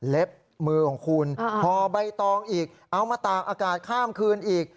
มือของคุณห่อใบตองอีกเอามาตากอากาศข้ามคืนอีก